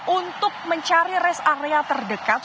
untuk mencari rest area terdekat